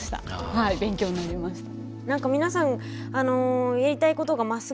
はい勉強になりました。